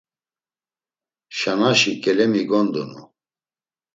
Şanaşi ǩelemi gondunu.